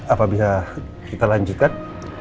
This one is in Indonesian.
apa bisa kita lanjutkan